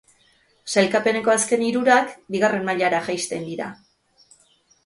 Sailkapeneko azken hirurak bigarren mailara jaisten dira.